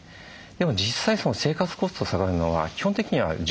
でも実際生活コスト下がるのは基本的には住居費です。